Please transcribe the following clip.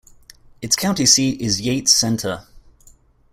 Its county seat is Yates Center.